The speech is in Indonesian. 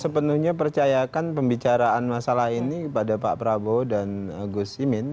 sepenuhnya percayakan pembicaraan masalah ini kepada pak prabowo dan gus imin